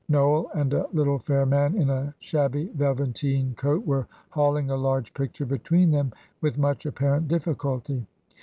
Noel and a little fair man in a shabby velveteen coat were hauling a large picture between them, with much apparent difficulty.